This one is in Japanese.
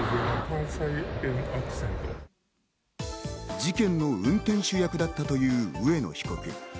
事件の運転手役だったという上野被告。